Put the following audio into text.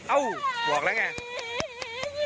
เอ้าบอกแล้วไง